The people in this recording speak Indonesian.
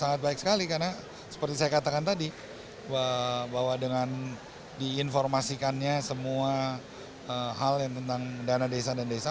sangat baik sekali karena seperti saya katakan tadi bahwa dengan diinformasikannya semua hal yang tentang dana desa dan desa